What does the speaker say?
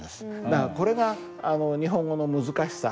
だからこれが日本語の難しさ？